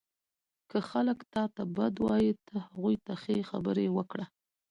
• که خلک تا ته بد وایي، ته هغوی ته ښې خبرې وکړه.